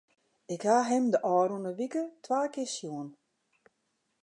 Ik ha him de ôfrûne wike twa kear sjoen.